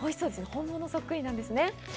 本物そっくりなんですね。